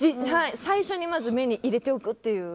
最初にまず目に入れておくという。